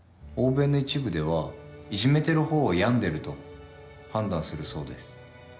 欧米の一部ではいじめてる方を病んでると判断するそうです。